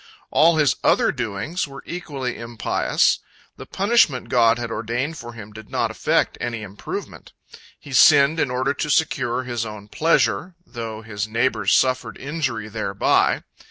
All his other doings were equally impious. The punishment God had ordained for him did not effect any improvement. He sinned in order to secure his own pleasure, though his neighbors suffered injury thereby.